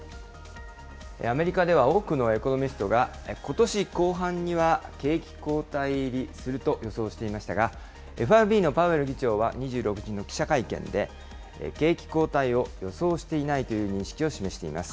アメリカでは多くのエコノミストが、ことし後半には景気後退入りすると予想していましたが、ＦＲＢのパウエル議長は２６日の記者会見で、景気後退を予想していないという認識を示しています。